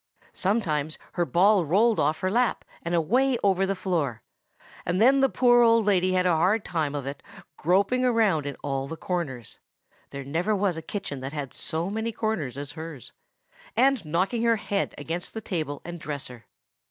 Sometimes her ball rolled off her lap and away over the floor; and then the poor old lady had a hard time of it groping about in all the corners (there never was a kitchen that had so many corners as hers), and knocking her head against the table and the dresser.